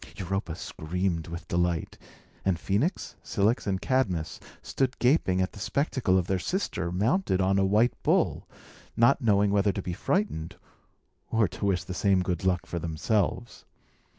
Europa screamed with delight; and Phœnix, Cilix, and Cadmus stood gaping at the spectacle of their sister mounted on a white bull, not knowing whether to be frightened or to wish the same good luck for themselves.